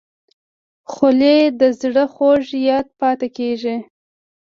خولۍ د زړه خوږ یاد پاتې کېږي.